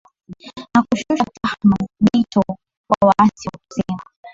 na kushusha tuhma nzito kwa waasi na kusema